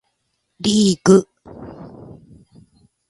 リーグ